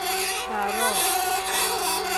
Baaroo.